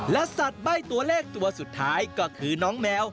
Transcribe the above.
และสัตว์ใบ้ตัวเลขตัวสุดท้ายก็คือน้องแมว